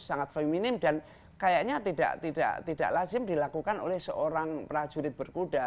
sangat feminim dan kayaknya tidak lazim dilakukan oleh seorang prajurit berkuda